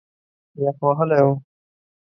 یخ وهلی و.